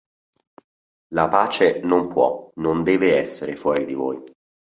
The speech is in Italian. La pace non può, non deve essere fuori di voi.